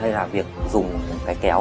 hay là việc dùng cái kéo